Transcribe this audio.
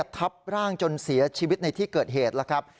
ทับร่างจนเสียชีวิตในที่เกิดเหตุแล้วครับ